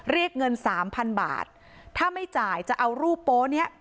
เรียกเงินสามพันบาทถ้าไม่จ่ายจะเอารูปโป๊เนี้ย